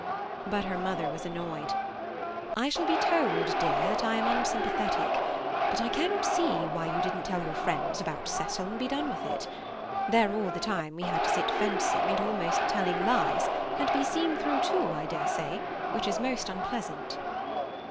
But her mother was annoyed. "I should be told, dear, that I am unsympathetic. But I cannot see why you didn't tell your friends about Cecil and be done with it. There all the time we had to sit fencing, and almost telling lies, and be seen through, too, I dare say, which is most unpleasant."